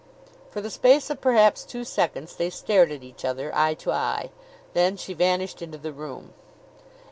For the space of perhaps two seconds they stared at each other, eye to eye. Then she vanished into the room.